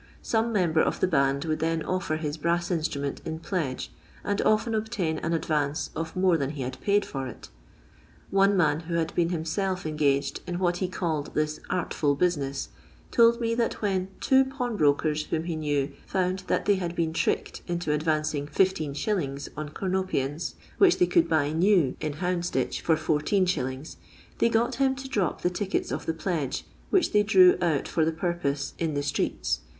Some member of the band would then offer his brass instrument in pledge, and often obtain an advance of more than he had paid for it. One man who had been himself engaged in what he called this ''artful" business, told me that when two pawnbrokers, whom he knew, found that they had been tricked into advancing 15«. on cornopeans, which they could buy new in Houndsditch for lis., they got him to drop the tickets of the pledge, which Uiey drew out for the purpose, in the streets.